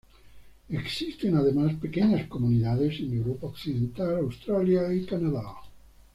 Existen además pequeñas comunidades en Europa Occidental, Australia y Canadá.